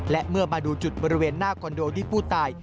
และเมื่อมาดูจุดบริเวณหน้าคอนโดที่ผู้ตาย